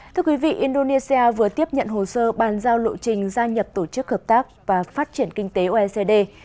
thưa quý vị indonesia vừa tiếp nhận hồ sơ bàn giao lộ trình gia nhập tổ chức hợp tác và phát triển kinh tế oecd